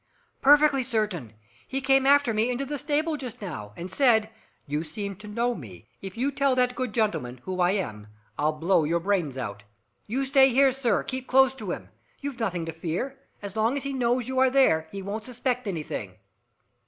"Perfectly certain! He came after me into the stable just now, and said, 'You seem to know me. If you tell that good gentleman who I am, I'll blow your brains out!' You stay here, sir, keep close to him. You've nothing to fear. As long as he knows you are there, he won't suspect anything."